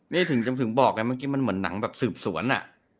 นี่ถึงบอกไงเมื่อกี้มันเหมือนหนังแบบสืบสวนอ่ะ